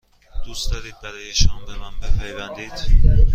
دوست دارید برای شام به من بپیوندید؟